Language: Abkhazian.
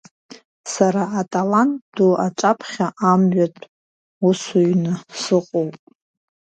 Сара аталант ду аҿаԥхьа амҩатә усуҩны сыҟоуп.